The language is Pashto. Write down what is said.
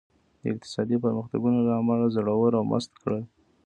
د اقتصادي پرمختګونو له امله زړور او مست کړل.